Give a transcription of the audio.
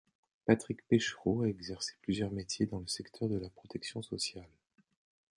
Patrick Pécherot a exercé plusieurs métiers dans le secteur de la protection sociale.